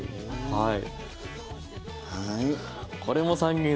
はい。